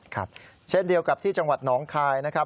ครับเช่นเดียวกับที่จังหวัดหนองคายนะครับ